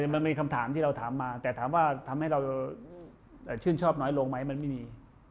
มันมีคำถามที่เราถามมาแต่ถามว่าทำให้เราชื่นชอบน้อยลงไหมมันไม่มี